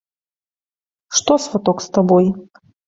Што, сваток, з табой?